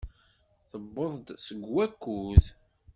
Tewweḍ-d deg wakud.